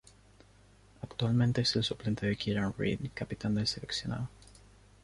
Actualmente es el suplente de Kieran Read, capitán del seleccionado.